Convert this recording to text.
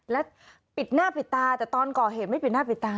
แล้วปิดหน้าปิดตาแต่ตอนก่อเหตุไม่ปิดหน้าปิดตา